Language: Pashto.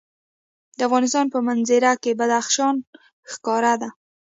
د افغانستان په منظره کې بدخشان ښکاره ده.